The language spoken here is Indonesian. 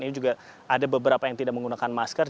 ini juga ada beberapa yang tidak menggunakan masker